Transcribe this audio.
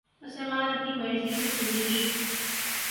مسلمان اپنی مرضی سے زندگی